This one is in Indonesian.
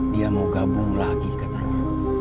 dia mau gabung lagi katanya